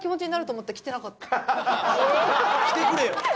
はい来てくれよ